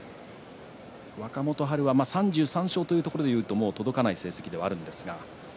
若元春は３３勝というところでいうともう届かない成績ではあります。